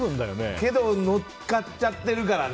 けど、乗っかっちゃってるからね。